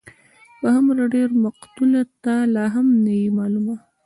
په هومره ډېر مقتوله، ته لا هم نه يې ملوله